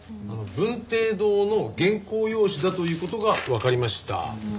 文綴堂の原稿用紙だという事がわかりました。